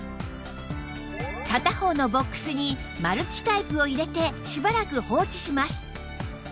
片方のボックスにマルチタイプを入れてしばらく放置します